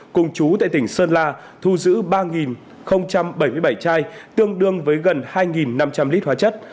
cùng chú tại tỉnh sơn la thu giữ ba bảy mươi bảy chai tương đương với gần hai năm trăm linh lít hóa chất